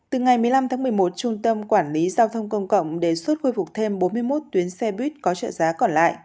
từ ngày một mươi năm tháng một mươi một trung tâm quản lý giao thông công cộng đề xuất khôi phục thêm bốn mươi một tuyến xe buýt có trợ giá còn lại